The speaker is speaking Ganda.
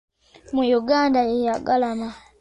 Mu Luganda ye ngalama.